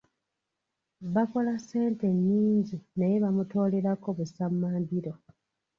Bakola ssente nnyingi naye bamutoolerako busammambiro.